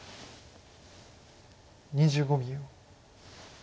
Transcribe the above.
２５秒。